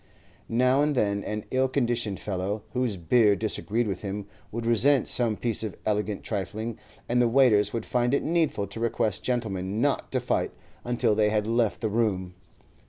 Now and then an ill conditioned fellow, whose beer disagreed with him, would resent some piece of elegant trifling, and the waiters would find it needful to request gentlemen not to fight until they had left the room.